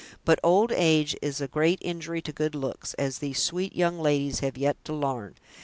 But old age is a great injury to good looks, as these sweet young ladies have yet to l'arn!